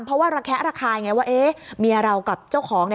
เพราะว่าระแคะระคายไงว่าเมียเรากับเจ้าของ